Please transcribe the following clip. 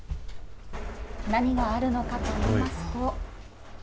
何があるのかといいますと。